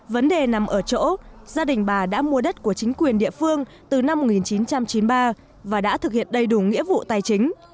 vấn đề nằm ở chỗ gia đình bà đã mua đất của chính quyền địa phương từ năm một nghìn chín trăm chín mươi ba và đã thực hiện đầy đủ nghĩa vụ tài chính